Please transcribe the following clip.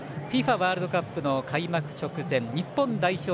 ワールドカップの開幕直前日本代表